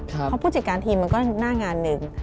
เพราะผู้จัดการทีมมันก็หน้างานหนึ่ง